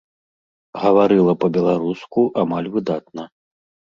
Гаварыла па-беларуску амаль выдатна.